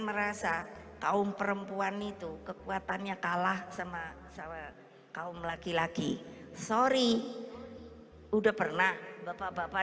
merasa kaum perempuan itu kekuatannya kalah sama sama kaum laki laki sorry udah pernah bapak bapak